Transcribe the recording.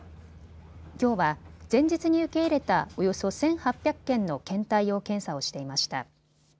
きょうは前日に受け入れたおよそ１８００件の検体の検査をしていました。